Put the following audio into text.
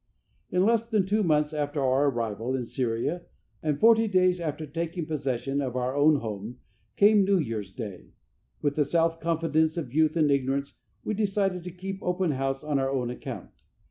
In less than two months after our arrival in Syria, and forty days after taking possession of our own home, came New Year's Day. With the self confidence of youth and ignorance, we decided to keep open house on our own account.